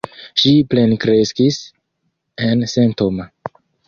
Ŝi plenkreskis en St. Thomas.